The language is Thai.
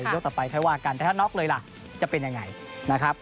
ยกต่อไปค่อยว่ากันแต่ถ้าน็อกเลยล่ะจะเป็นยังไงนะครับ